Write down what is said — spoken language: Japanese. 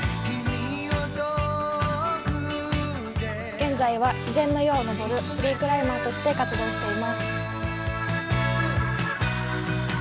現在は自然の岩を登るフリークライマーとして活動しています。